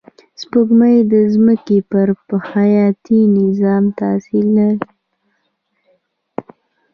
سپوږمۍ د ځمکې پر حیاتي نظام تأثیر لري